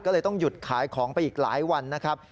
ก็เลยต้องหยุดขายของไปอีกหลายวันนะครับ